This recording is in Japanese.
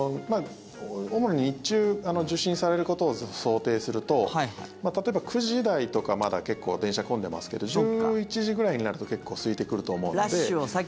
主に日中受診されることを想定すると例えば、９時台とかまだ結構、電車混んでますけど１１時ぐらいになると結構すいてくると思うんで。